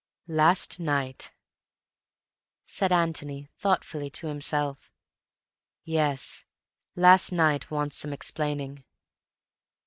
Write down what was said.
"Last night," said Antony thoughtfully to himself. "Yes, last night wants some explaining."